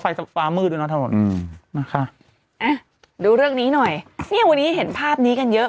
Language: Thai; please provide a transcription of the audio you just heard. เอาล่ะดูเรื่องนี้หน่อยสินี้วันนี้เห็นภาพนี้กันเยอะ